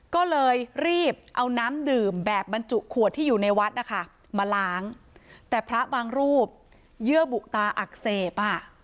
ก็เลยรีบเอาน้ำดื่มแบบบรรจุขวดที่อยู่ในวัดนะคะมาล้างแต่พระบางรูปเยื่อบุตาอักเสบอ่ะ